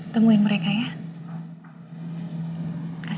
temuin ya papa